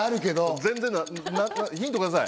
ヒントください。